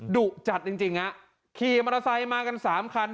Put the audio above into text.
ดุจัดจริงจริงฮะขี่มอเตอร์ไซค์มากันสามคัน